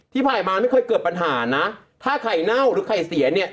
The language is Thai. ที่ผ่านมาไม่เคยเกิดปัญหานะถ้าไข่เน่าหรือไข่เสียเนี่ย